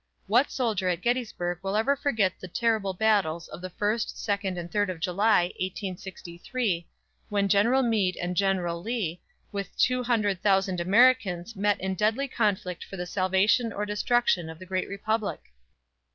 "_ What soldier at Gettysburg will ever forget the terrible battles of the 1st, 2d and 3d of July, 1863, when GENERAL MEAD AND GENERAL LEE, with two hundred thousand Americans met in deadly conflict for the salvation or destruction of the Great Republic?